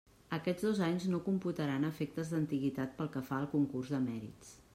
Aquests dos anys no computaran a efectes d'antiguitat pel que fa al concurs de mèrits.